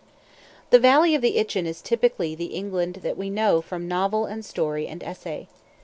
The valley of the Itchen is typically the England that we know from novel and story and essay.